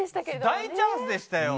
大チャンスでしたよ。